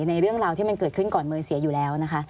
ในเรื่องราวที่มันเกิดขึ้นก่อนเมย์เสียอยู่แล้วนะคะ